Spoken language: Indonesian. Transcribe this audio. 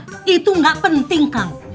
kak itu gak penting kang